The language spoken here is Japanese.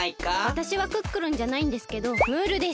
わたしはクックルンじゃないんですけどムールです。